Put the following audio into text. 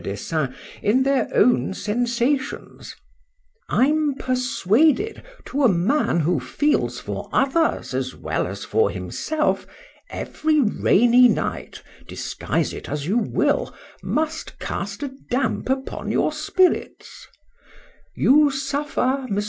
Dessein, in their own sensations,—I'm persuaded, to a man who feels for others as well as for himself, every rainy night, disguise it as you will, must cast a damp upon your spirits:—You suffer, Mons.